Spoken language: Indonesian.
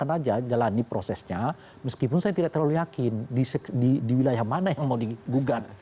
bisa saja jalani prosesnya meskipun saya tidak terlalu yakin di wilayah mana yang mau digugat